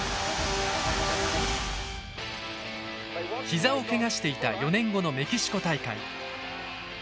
膝をけがしていた４年後のメキシコ大会。